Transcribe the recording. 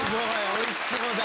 おいしそうだ。